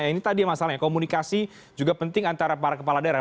ini tadi masalahnya komunikasi juga penting antara para kepala daerah